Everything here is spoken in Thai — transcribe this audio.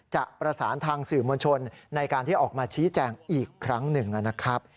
จะประสานทางสื่อมวลชนในการที่ออกมาชี้แจงอีกครั้งหนึ่งนะครับ